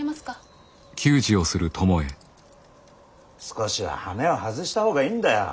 少しはハメを外した方がいいんだよ。